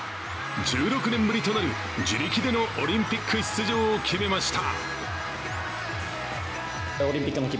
１６年ぶりとなる自力でのオリンピック出場を決めました。